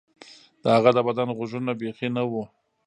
د هغه د بدن غوږونه بیخي نه وو